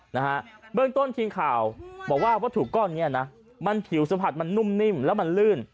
นะฮะเบื้องต้นทีมข่าวบอกว่าวัตถุก้อนเนี้ยนะมันผิวสัมผัสมันนุ่มนิ่มแล้วมันลื่น